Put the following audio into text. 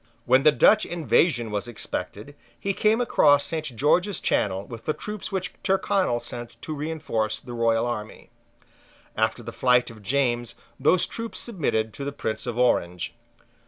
When the Dutch invasion was expected, he came across Saint George's Channel with the troops which Tyrconnel sent to reinforce the royal army. After the flight of James, those troops submitted to the Prince of Orange.